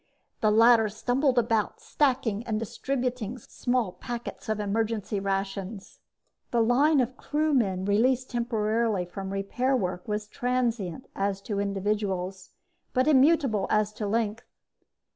The latter stumbled about, stacking and distributing small packets of emergency rations. The line of crewmen released temporarily from repair work was transient as to individuals but immutable as to length.